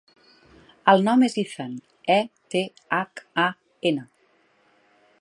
El nom és Ethan: e, te, hac, a, ena.